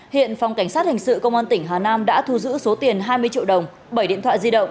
hiện phòng cảnh sát hình sự công an tỉnh hà nam đã thu giữ số tiền hai mươi triệu đồng bảy điện thoại di động